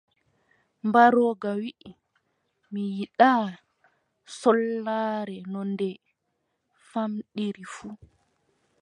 Mbarooga wii: mi yiɗaa sollaare no nde famɗiri fuu!».